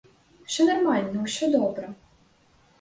Усё нармальна, усё добра.